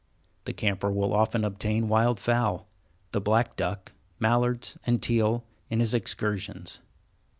The camper will often obtain wild fowl, the black duck, mallards, and teal, in his excursions.